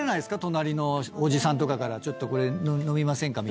隣のおじさんとかからちょっと飲みませんか？